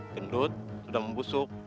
gendut sudah membusuk